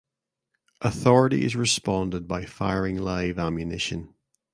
Authorities responded by firing live ammunition.